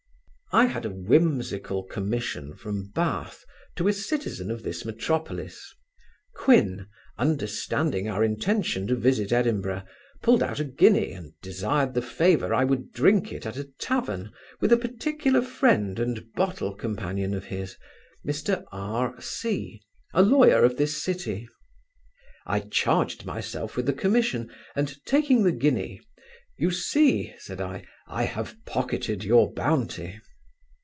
I had a whimsical commission from Bath, to a citizen of this metropolis. Quin, understanding our intention to visit Edinburgh, pulled out a guinea, and desired the favour I would drink it at a tavern, with a particular friend and bottle companion of his, Mr R C , a lawyer of this city I charged myself with the commission, and, taking the guinea, 'You see (said I) I have pocketed your bounty.